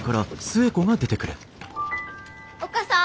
おっ母さん